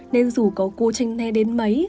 nên dù có cô tranh ne đến mấy